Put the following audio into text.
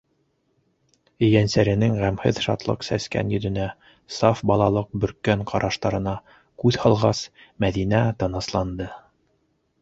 Ейәнсәренең ғәмһеҙ шатлыҡ сәскән йөҙөнә, саф балалыҡ бөрккән ҡараштарына күҙ һалғас, Мәҙинә тынысланды.